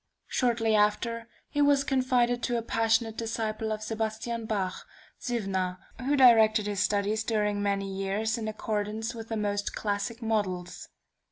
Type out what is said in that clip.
Shortly after he was confided to a passionate disciple of Sebastian Bach, Ziwna, who directed his studies during many years in accordance with the most classic models.